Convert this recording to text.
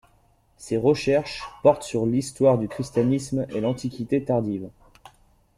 Ses recherches portent sur l'histoire du christianisme et l'Antiquité tardive.